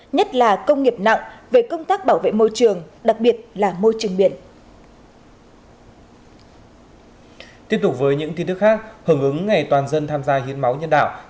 nhất là công nghiệp nặng về công tác bảo vệ môi trường đặc biệt là môi trường biển đảo